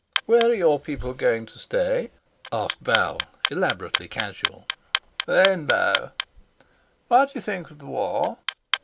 "Where are your people going to stay?" asked Val, elaborately casual. "'Rainbow.' What do you think of the war?"